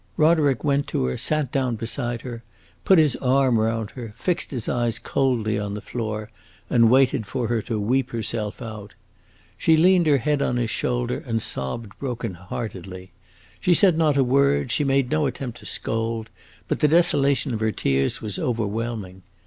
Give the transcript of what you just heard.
Roderick went to her, sat down beside her, put his arm round her, fixed his eyes coldly on the floor, and waited for her to weep herself out. She leaned her head on his shoulder and sobbed broken heartedly. She said not a word, she made no attempt to scold; but the desolation of her tears was overwhelming.